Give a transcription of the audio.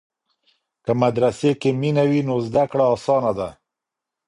که مدرسې کې مینه وي نو زده کړه اسانه ده.